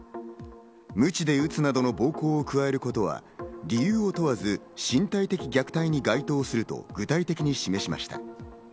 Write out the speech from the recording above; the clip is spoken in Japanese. ムチで打つなどの暴行を加えることは理由を問わず、身体的虐待に該当すると具体的に示しました。